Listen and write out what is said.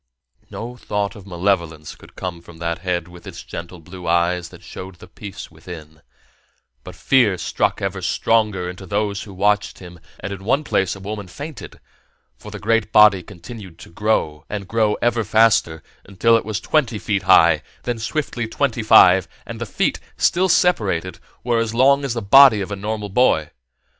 No thought of malevolence could come from that head with its gentle blue eyes that showed the peace within, but fear struck ever stronger into those who watched him, and in one place a woman fainted; for the great body continued to grow, and grow ever faster, until it was twenty feet high, then swiftly twenty five, and the feet, still separated, were as long as the body of a normal boy.